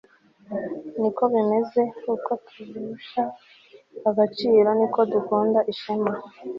Niko bimeze uko turusha agaciro niko dukunda ishema